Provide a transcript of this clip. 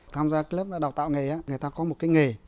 tham gia lớp đào tạo nghề người ta có một cái nghề